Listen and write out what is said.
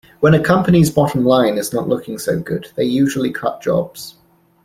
When a company's bottom line is not looking so good, they usually cut jobs.